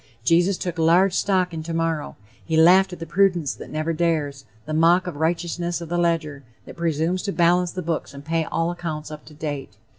Jesus took large stock in tomorrow; he laughed at the prudence that never dares, the mock righteousness of the ledger that presumes to balance the books and pay all accounts up to date.